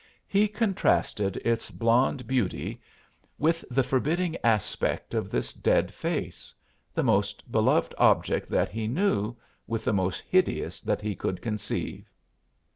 He contrasted its blonde beauty with the forbidding aspect of this dead face the most beloved object that he knew with the most hideous that he could conceive.